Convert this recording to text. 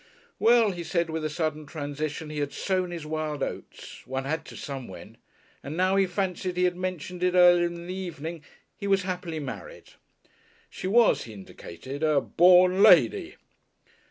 Well, he said with a sudden transition, he had sown his wild oats one had to somewhen and now he fancied he had mentioned it earlier in the evening, he was happily married. She was, he indicated, a "born lady."